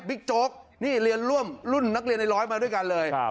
โจ๊กนี่เรียนร่วมรุ่นนักเรียนในร้อยมาด้วยกันเลย